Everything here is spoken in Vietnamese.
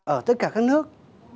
ở tất cả các nước